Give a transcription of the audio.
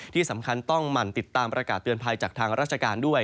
ที่สำคัญต้องหมั่นติดตามประกาศเตือนภัยจากทางราชการด้วย